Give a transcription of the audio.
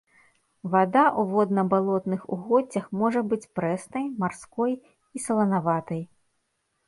Вада ў водна-балотных угоддзях можа быць прэснай, марской і саланаватай.